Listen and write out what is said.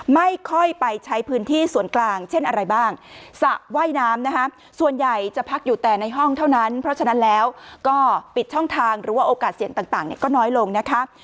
ไม่ค่อยไปใช้พื้นที่ส่วนกลางเช่นอะไรบ้างสระว่ายน้ำนะคะส่วนใหญ่จะพักอยู่แต่ในห้องเท่านั้นเพราะฉะนั้นแล้วก็ปิดช่องทางหรือว่าโอกาสเสี่ยงต่างเนี่ยก็น้อยลงนะคะ